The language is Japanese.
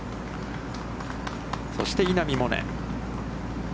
そして稲見萌寧。